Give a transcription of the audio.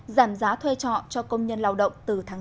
giảm giá thuê trọ cho công nhân lao động từ tháng bốn